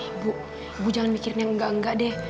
ibu ibu jangan mikirin yang enggak enggak deh